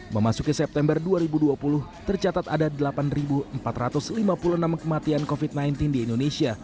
memasuki september dua ribu dua puluh tercatat ada delapan empat ratus lima puluh enam kematian covid sembilan belas di indonesia